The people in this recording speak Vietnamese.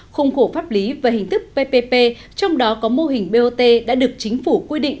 khung khổ pháp lý và hình thức ppp trong đó có mô hình bot đã được chính phủ quy định